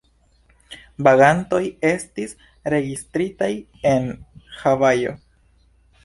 Vagantoj estis registritaj en Havajo.